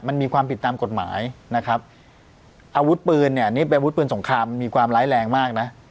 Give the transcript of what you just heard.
มันมีความผิดตามกฎหมายนะครับอาวุธปืนเนี่ยนี่เป็นอาวุธปืนสงครามมีความร้ายแรงมากนะ